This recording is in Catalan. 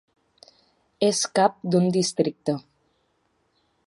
És cap d'un districte.